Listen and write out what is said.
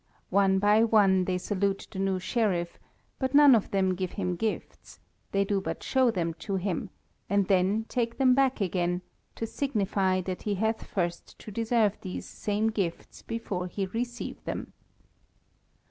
One by one they salute the new Sheriff, but none of them give him gifts; they do but show them to him, and then take them back again, to signify that he hath first to deserve these same gifts before he receive them.